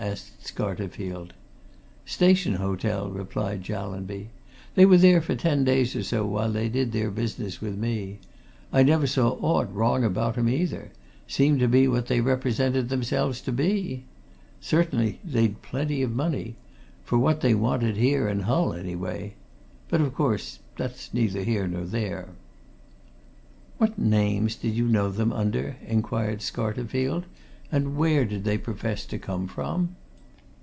asked Scarterfield. "Station Hotel," replied Jallanby. "They were there for ten days or so, while they did their business with me. I never saw aught wrong about 'em either seemed to be what they represented themselves to be. Certainly they'd plenty of money for what they wanted here in Hull, anyway. But of course, that's neither here nor there." "What names did you know them under?" inquired Scarterfield. "And where did they profess to come from?"